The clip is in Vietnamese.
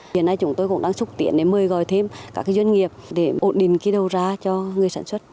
hiện nay chúng tôi cũng đang xúc tiến để mời gọi thêm các doanh nghiệp để ổn định cái đầu ra cho người sản xuất